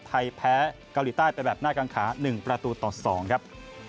ไทยแพ้เกาหลีใต้ไปแบบหน้ากังขา๑ประตูต่อ๒ครับ